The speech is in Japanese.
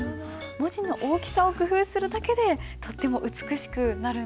文字の大きさを工夫するだけでとっても美しくなるんですね。